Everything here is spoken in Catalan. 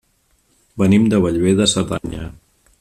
Venim de Bellver de Cerdanya.